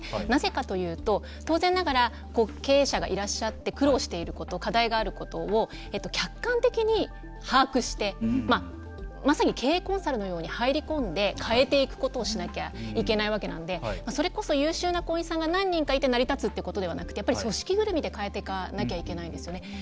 なぜかというと当然ながら経営者がいらっしゃって苦労していること課題があることを客観的に把握してまさに経営コンサルのように入り込んで変えていくことをしなきゃいけないわけなんでそれこそ優秀な行員さんが何人かいて成り立つということではなくてやっぱり組織ぐるみで変えていかなきゃいけないですよね。